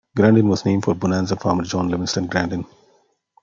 Grandin was named for Bonanza farmer John Livingston Grandin.